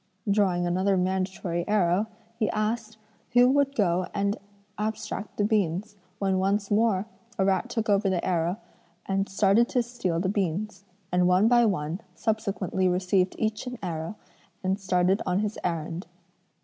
Drawing another mandatory arrow, he asked who would go and abstract the beans, when once more a rat took over the arrow and started to steal the beans; and one by one subsequently received each an arrow and started on his errand.